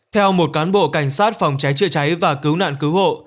theo một cán bộ cảnh sát phòng trái trịa cháy và cứu nạn cứu hộ